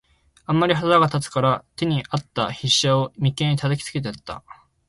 あんまり腹が立つたから、手に在つた飛車を眉間へ擲きつけてやつた。